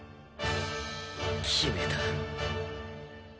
決めた。